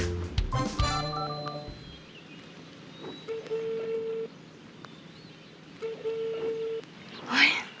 คุณปลอย